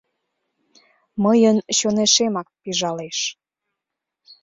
Мыйын чонешемак пижалеш...